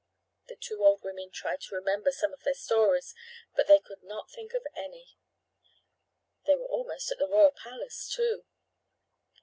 The two old women tried to remember some of their stories, but they could not think of any. They were almost at the royal palace, too.